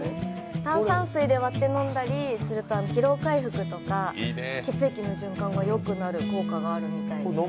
炭酸水とかで割って飲むと疲労回復とか血液の循環がよくなる効果があるみたいです。